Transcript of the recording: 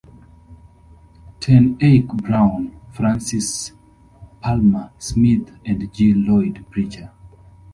Ten Eyck Brown, Francis Palmer Smith and G. Lloyd Preacher.